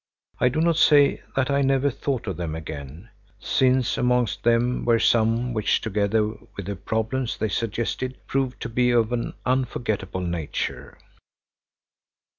I do not say that I never thought of them again, since amongst them were some which, together with the problems they suggested, proved to be of an unforgettable nature.